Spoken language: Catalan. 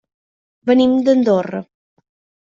Venim d'Andorra.